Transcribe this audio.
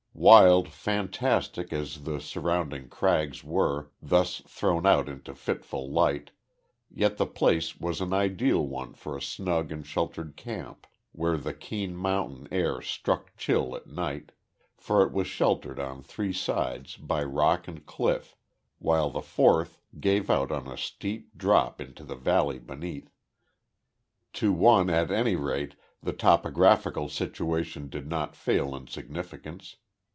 Wild, fantastic, as the surrounding crags were, thus thrown out into fitful light, yet the place was an ideal one for a snug and sheltered camp, where the keen mountain air struck chill at night, for it was sheltered on three sides by rock and cliff, while the fourth gave out on a steep drop into the valley beneath. To one, at any rate, the topographical situation did not fail in significance.